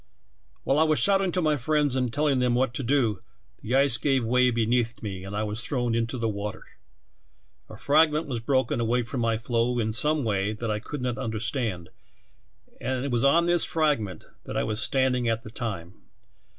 "While I was shouting to my friends and telling them what to do, the ice gave way beneath me and I was thrown into the water. A fragment was broken away from my floe in some way that I could not understand, and it was on this frag ment that I was standing at the time.